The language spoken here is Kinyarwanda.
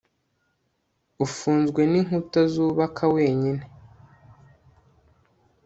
ufunzwe n'inkuta zubaka wenyine